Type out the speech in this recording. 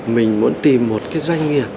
mình muốn tìm một cái doanh nghiệp